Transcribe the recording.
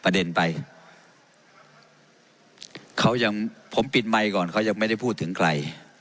ไปเขายังผมปิดไมค์ก่อนเขายังไม่ได้พูดถึงใคร